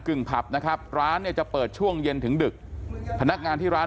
่งผับนะครับร้านเนี่ยจะเปิดช่วงเย็นถึงดึกพนักงานที่ร้าน